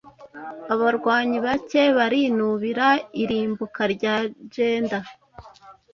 Abarwanyi bake barinubira irimbuka rya Grendel